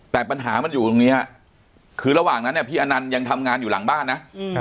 แต่ปัญหามันอยู่ตรงนี้ฮะคือระหว่างนั้นพี่อนันต์ยังทำงานอยู่หลังบ้านนะ